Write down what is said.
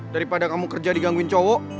daripada kamu kerja digangguin cowok